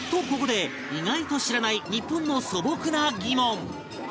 ここで意外と知らない日本の素朴な疑問